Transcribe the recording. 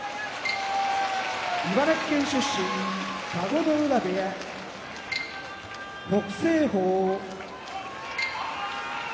茨城県出身田子ノ浦部屋北青鵬北海道出身